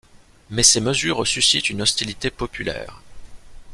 Mais ses mesures suscitent une hostilité populaire.